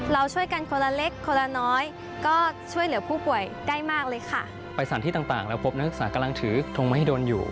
เราช่วยกันคนละเล็กคนละน้อย